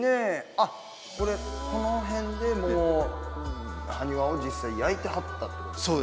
あっこれこの辺でもうハニワを実際焼いてはったってことですか？